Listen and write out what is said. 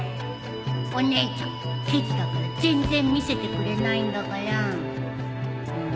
お姉ちゃんケチだから全然見せてくれないんだから